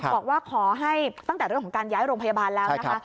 บอกว่าขอให้ตั้งแต่เรื่องของการย้ายโรงพยาบาลแล้วนะคะ